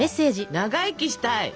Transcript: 「長生きしたい！」。